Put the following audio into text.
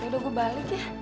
yaudah gue balik ya